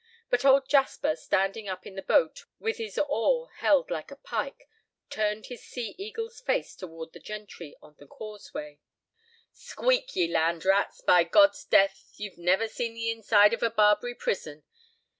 But old Jasper, standing up in the boat with his oar held like a pike, turned his sea eagle's face toward the gentry on the causeway. "Squeak, ye land rats. By God's death, you've never seen the inside of a Barbary prison.